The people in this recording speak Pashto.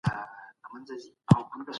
د بیان ازادي د ټولني پرمختګ ته لار هواروي.